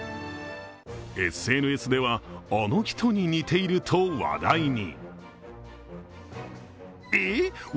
ＳＮＳではあの人に似ていると話題に。